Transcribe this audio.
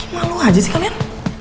malu aja sih kalian